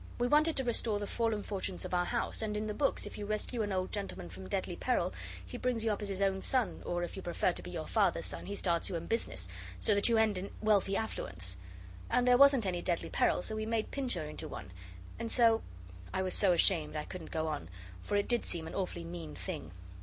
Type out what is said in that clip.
We wanted to restore the fallen fortunes of our house, and in the books if you rescue an old gentleman from deadly peril, he brings you up as his own son or if you prefer to be your father's son, he starts you in business, so that you end in wealthy affluence; and there wasn't any deadly peril, so we made Pincher into one and so ' I was so ashamed I couldn't go on, for it did seem an awfully mean thing.